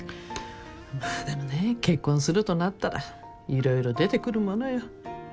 まあでもね結婚するとなったら色々出てくるものよ。